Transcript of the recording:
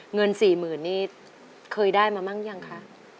เงิน๔หมื่นนี่เคยได้มาบ้างยังคะ